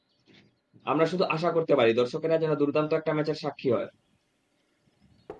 আমরা শুধু আশা করতে পারি দর্শকেরা যেন দুর্দান্ত একটা ম্যাচের সাক্ষী হয়।